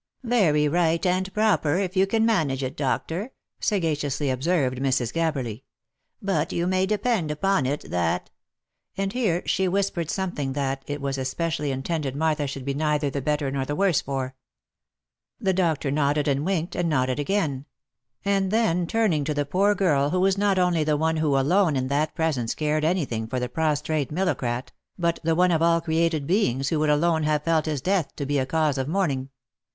" Very right and proper if you can manage it, doctor," sagaciously observed Mrs. Gabberly. " But you may depend upon it, that —" and here she whispered something, that it was especially intended Martha should be neither the better nor the worse for. The doctor nodded and winked, and nodded again ; and then turning to the poor girl who was not only the one who alone in that presence cared any thing for the prostrate millocrat, but the one of all created beings who would alone have felt his death to be a cause of mourning.